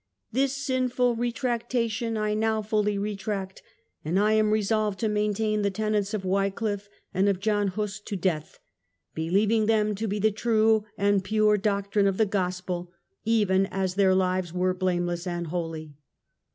" This sinful retractation I now fully retract, and am resolved to maintain the tenets of Wychffe and of John Huss to death, believing them to be the true and pure doctrine of the Gospel, even as their lives were blameless and holy".